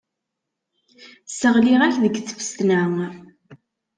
Sseɣliɣ-ak deg tfesna.